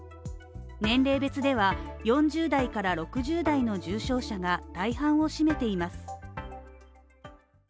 年齢別では４０代から６０代の重症者が大半を占めています